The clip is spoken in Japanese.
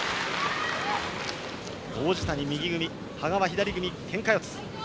王子谷、右組み羽賀は左組みのけんか四つ。